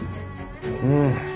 うん。